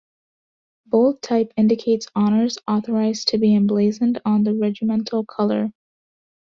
Bold type indicates honours authorized to be emblazoned on the regimental colour.